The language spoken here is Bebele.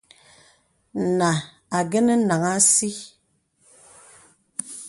Nā āngənə́ naŋhàŋ así.